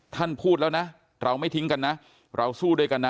ท่านพูดแล้วนะเราไม่ทิ้งกันนะเราสู้ด้วยกันนะ